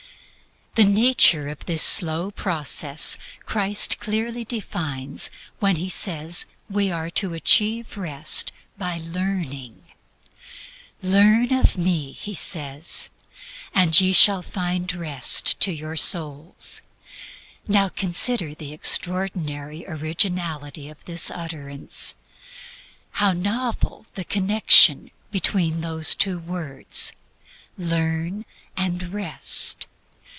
The nature of this slow process Christ clearly defines when He says we are to achieve Rest by learning. "Learn of me," He says, "and ye shall find rest to your souls." Now consider the extraordinary ORIGINALITY OF THIS UTTERANCE. How novel the connection between these two words "Learn" and "Rest."